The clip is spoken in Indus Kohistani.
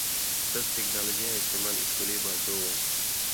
ݜس ٹیکنالوجی یاں استعمال اِسکُلی بالٹو وَیں